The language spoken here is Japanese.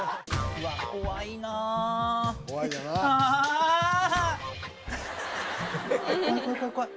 うわっ怖い怖い怖い怖い。